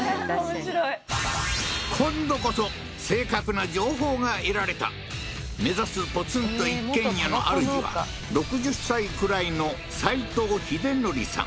面白い今度こそ正確な情報が得られた目指すポツンと一軒家のあるじは６０歳くらいのサイトウヒデノリさん